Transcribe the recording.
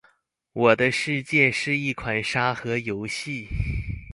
《我的世界》是一款沙盒游戏。